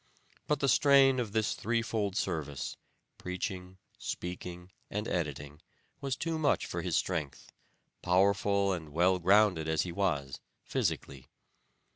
But the strain of this threefold service preaching, speaking and editing, was too much for his strength, powerful and well grounded, as he was, physically.